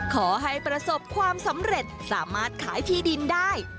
ขอให้ประสบความสำเร็จสามารถขายที่ดินได้